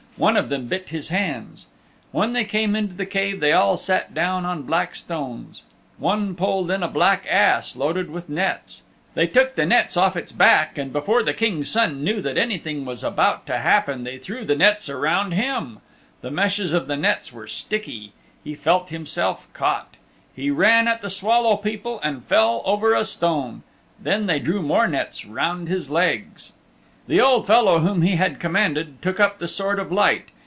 One of them bit his hands. When they came into the cave they all sat down on black stones. One pulled in a black ass loaded with nets. They took the nets off its back, and before the King's Son knew that anything was about to happen they threw the nets around him. The meshes of the nets were sticky. He felt himself caught. He ran at the Swallow People and fell over a stone. Then they drew more nets around his legs. The old fellow whom he had commanded took up the Sword of Light.